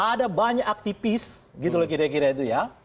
ada banyak aktivis gitu loh kira kira itu ya